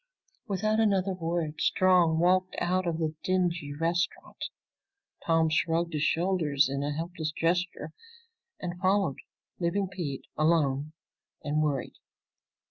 Without another word Strong walked out of the dingy restaurant. Tom shrugged his shoulders in a helpless gesture and followed, leaving Pete alone and worried.